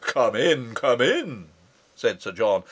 "Come in, come in!" said Sir John.